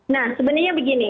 nah sebenarnya begini